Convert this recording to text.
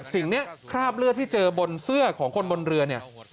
สิ่งนี้คราบเลือดที่เจอบนเสื้อของคนบนเรือเนี่ย